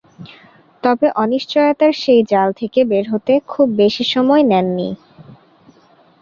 তবে অনিশ্চয়তার সেই জাল থেকে বের হতে খুব বেশি সময় নেননি।